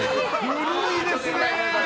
古いですね！